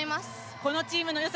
このチームのよさ